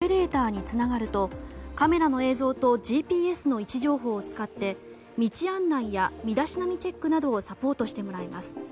スマートフォンの専用アプリでオペレーターにつながるとカメラの映像とＧＰＳの位置情報を使って道案内や身だしなみチェックなどをサポートしてもらえます。